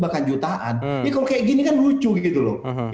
bahkan jutaan ini kalau kayak gini kan lucu gitu loh